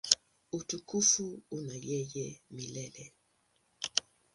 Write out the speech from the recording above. Utukufu una yeye milele.